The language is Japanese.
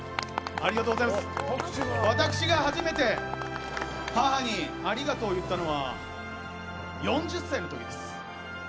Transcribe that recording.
私が初めて母にありがとうを言ったのは４０歳の時です。